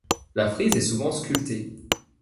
La frise est souvent sculptée.